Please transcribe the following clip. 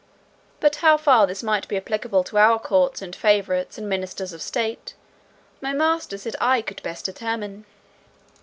But how far this might be applicable to our courts, and favourites, and ministers of state, my master said I could best determine."